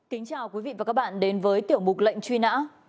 kính chào quý vị và các bạn đến với tiểu mục lệnh truy nã